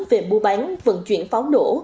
về bưu bán vận chuyển pháo nổ